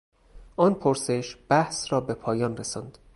آن پرسش بحث را به پایان رساند.